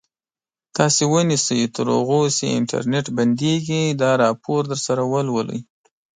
تاسو ونیسئ تر هغو چې انټرنټ بندېږي دا راپور درسره ولولئ.